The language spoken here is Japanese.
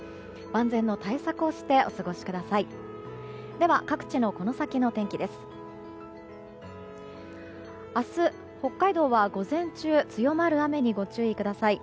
万全の対策をしてお過ごしください。